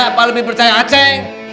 apa lebih percaya aceh